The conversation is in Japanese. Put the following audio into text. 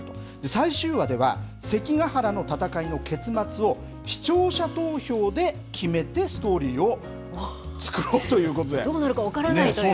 最終話では、関ケ原の戦いの結末を視聴者投票で決めてストーリーを作ろうということで。